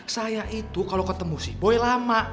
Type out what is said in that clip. saya itu kalau ketemu si boy lama